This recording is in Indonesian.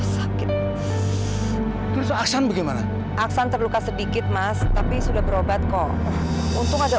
sakit terus aksan bagaimana aksan terluka sedikit mas tapi sudah berobat kok untung ada